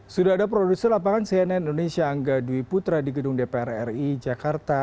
sudah ada produser lapangan cnn indonesia angga dwi putra di gedung dpr ri jakarta